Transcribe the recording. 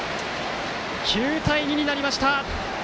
９対２になりました。